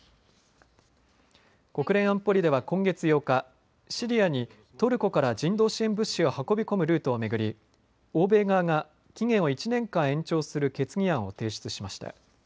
国連安保理では今月８日、シリアにトルコから人道支援物資を運び込むルートを巡り欧米側が期限を１年間延長する決議案を提出しました。